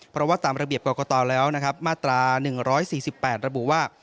เพราะว่าตามระเบียบกรกตแล้วนะครับมาตรา๑๔๘ระบุว่า